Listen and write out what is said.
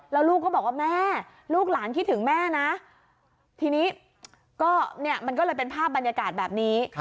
แล้วลูกก็บอกว่าแม่ลูกหลานคิดถึงแม่นะทีนี้มันก็เลยเป็นภาพบรรยากาศแบบนี้